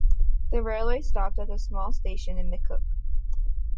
The railway stopped at a small station in McCook.